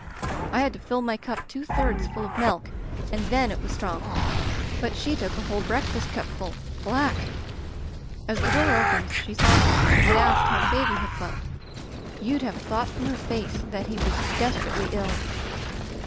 I had to fill my cup two thirds full of milk and then it was strong. But she took a whole breakfast cup full — black! Digitized by LjOOQ IC Interventions "As the door opened she saw me and asked how the baby had slept. You'd have thought from her face that he was desper ately ill.